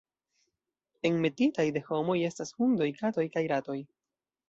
Enmetitaj de homoj estas hundoj, katoj kaj ratoj.